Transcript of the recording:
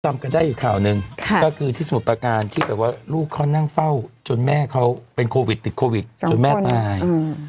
จำกันได้อีกข่าวหนึ่งก็คือที่สมุทรประการที่แบบว่าลูกเขานั่งเฝ้าจนแม่เขาเป็นโควิดติดโควิดจนแม่ตาย